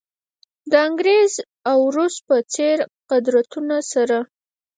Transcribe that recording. د انګریز او روس په څېر قدرتونو سره.